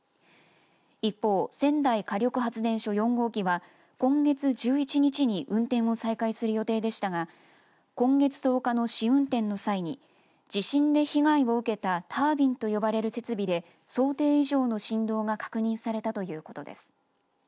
一方、仙台火力発電所４号機は今月１１日に運転を再開する予定でしたが今月１０日の試運転の際に地震で被害を受けたタービンと呼ばれる設備で想定以上の振動が確認されたということです。